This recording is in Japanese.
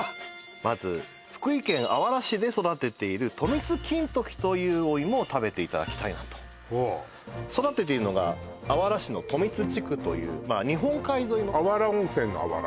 まず福井県あわら市で育てているとみつ金時というお芋を食べていただきたいなとほう育てているのがというまあ日本海沿いのあわら温泉のあわら？